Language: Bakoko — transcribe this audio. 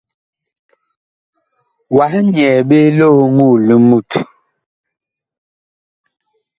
Wah nyɛɛ ɓe lioŋoo li mut.